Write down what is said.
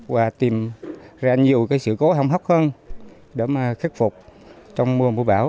và nhiều sự cố hóng hóc hơn để khắc phục trong mùa bão